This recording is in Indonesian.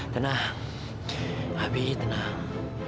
tenang abi tenang